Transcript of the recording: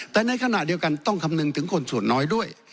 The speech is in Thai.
แต่ในขณะเดียวกันต้องคำนึงถึงคนส่วนน้อยด้วย